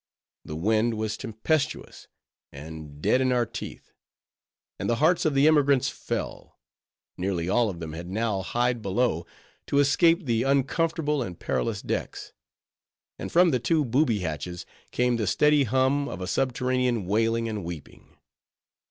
The wind was tempestuous, and dead in our teeth; and the hearts of the emigrants fell. Nearly all of them had now hied below, to escape the uncomfortable and perilous decks: and from the two "booby hatches" came the steady hum of a subterranean wailing and weeping.